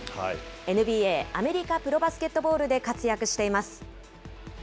ＮＢＡ・アメリカプロバスケットボールで活躍しています。